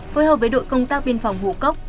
phối hợp với đội công tác biên phòng hồ cốc